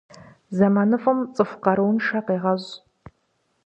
Зэманыфӏым цӏыху къарууншэ къегъэщӏ.